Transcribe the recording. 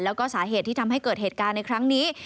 แล้วก็สาเหตุที่ทำให้เกิดเหตุการณ์ในครั้งนี้